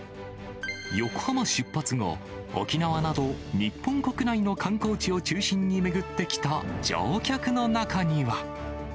横浜出発後、沖縄など日本国内の観光地を中心に巡ってきた乗客の中には。